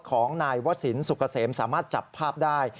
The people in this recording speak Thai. ของนายวศิลป์สุขเสมสามารถจับภาพได้